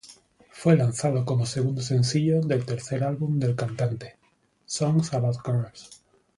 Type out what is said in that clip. Fue lanzado como segundo sencillo del tercer álbum del cantante, "Songs about girls".